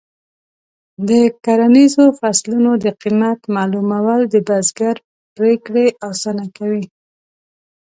د کرنیزو فصلونو د قیمت معلومول د بزګر پریکړې اسانه کوي.